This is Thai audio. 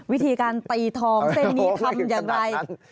วิธีการตีทองเส้นนี้ทำอย่างไร